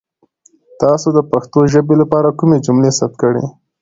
تاسو د پښتو ژبې لپاره کومې جملې ثبت کړي؟